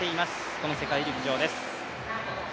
この世界陸上です。